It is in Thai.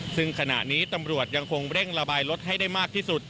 ซึ่งขณะนี้ตำรวจยังคงเร่งระบายรถให้ได้มากที่สุด